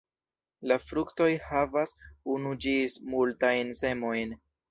La fruktoj havas unu ĝis multajn semojn.